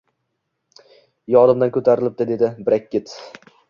Yodimdan ko`tarilibdi, dedi Brekket